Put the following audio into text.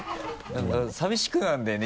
何か寂しくなるんだよね